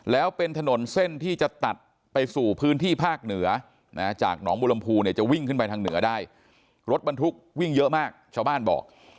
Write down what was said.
แล้วเป็นถนนเส้นที่จะตัดไปสู่พื้นที่ภาคเหนือนะจากหนองบุรมภูเนี่ยจะวิ่งขึ้นไปทางเหนือได้รถบรรทุกวิ่งเยอะมากชาวบ้านบอก